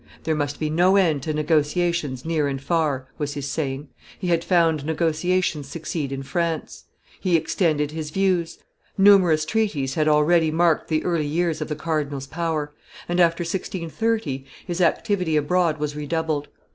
"There must be no end to negotiations near and far," was his saying: he had found negotiations succeed in France; he extended his views; numerous treaties had already marked the early years of the cardinal's power; and, after 1630, his activity abroad was redoubled.